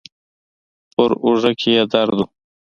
پر اوږه کې يې درد و.